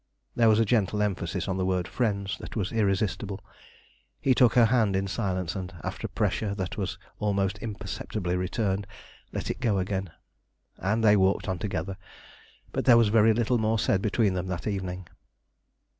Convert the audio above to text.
There was a gentle emphasis on the word "friends" that was irresistible. He took her hand in silence, and after a pressure that was almost imperceptibly returned, let it go again, and they walked on together; but there was very little more said between them that evening.